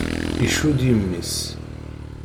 Iccud yimi-s.